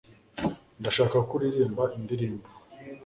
ndashaka ko uririmba indirimbo